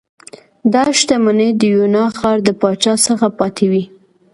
دا شتمنۍ د یونا ښار د پاچا څخه پاتې وې